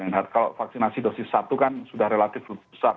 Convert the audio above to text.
kalau vaksinasi dosis satu kan sudah relatif besar